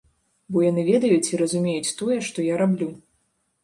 Бо яны ведаюць і разумеюць тое, што я раблю.